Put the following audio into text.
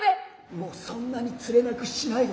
もうそんなにつれなくしないで。